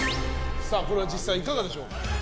これは実際いかがでしょうか。